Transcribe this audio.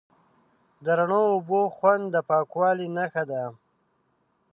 د رڼو اوبو خوند د پاکوالي نښه ده.